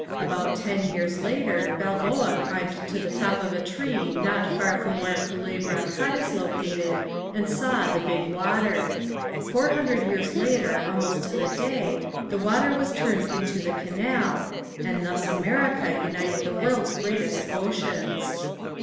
About ten years later Balboa climbed to the top of a tree not far from where Culebra Cut is located and saw the "Big Water." Four hundred years later almost to the day the water was turned into the canal and thus America united the world's greatest oceans.